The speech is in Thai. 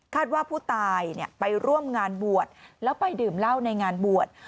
ว่าผู้ตายไปร่วมงานบวชแล้วไปดื่มเหล้าในงานบวช